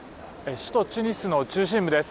首都チュニスの中心部です。